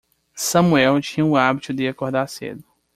Sumuel tinha o hábito de acordar cedo.